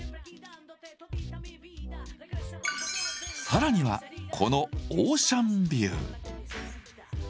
さらにはこのオーシャンビュー。